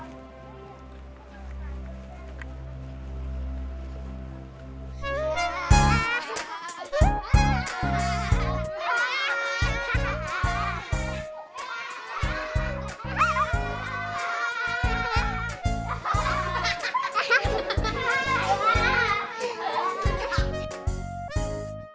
masih ada apa apa